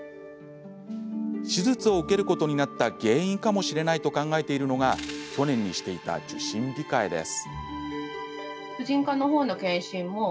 手術を受けることになった原因かもしれないと考えているのが去年にしていた受診控えです。